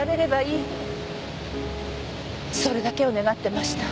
それだけを願ってました。